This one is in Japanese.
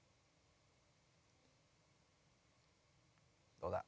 どうだ？